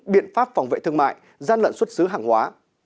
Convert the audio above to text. biện pháp phòng vệ thương mại gian lận xuất xứ hàng hóa